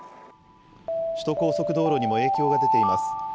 首都高速道路にも影響が出ています。